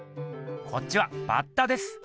こっちはバッタです。